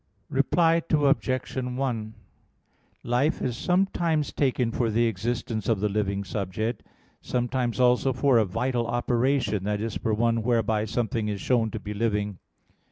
Reply Obj. 1: Life is sometimes taken for the existence of the living subject: sometimes also for a vital operation, that is, for one whereby something is shown to be living.